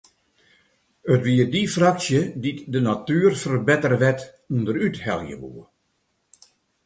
It wie dy fraksje dy’t de natuerferbetterwet ûnderúthelje woe.